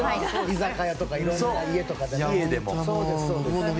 居酒屋とかいろんな家とかでね。